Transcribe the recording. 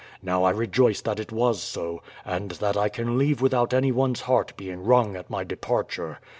Now I rejoice that it was so, and that I can leave without any one's heart being wrung at my departure.